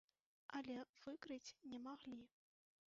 Але выкрыць не маглі.